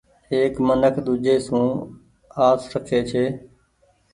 ايڪ منک ۮيجھي سون آس رکي ڇي۔